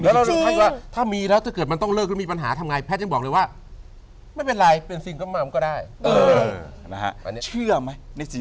แล้วถ้ามีแล้วถ้าเกิดมันต้องเลิกมีปัญหามีปัญหาทำยังไง